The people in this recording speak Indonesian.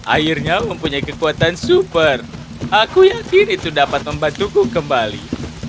airnya mempunyai kekuatan super aku yakin itu dapat membantuku kembali